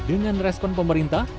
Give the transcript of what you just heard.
dengan respon pemerintah